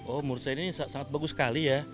oh menurut saya ini sangat bagus sekali ya